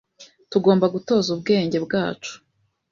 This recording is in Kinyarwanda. Tugomba gutoza ubwenge bwacu,